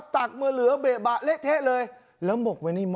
ตักมาเหลือเบะเละเทะเลยแล้วหมกไว้ในมือ